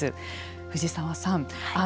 藤沢さん。